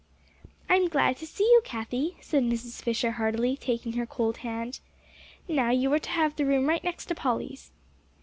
"I am glad to see you, Cathie," said Mrs. Fisher heartily, taking her cold hand. "Now, you are to have the room right next to Polly's."